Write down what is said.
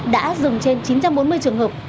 đã dừng trên chín trăm bốn mươi trường hợp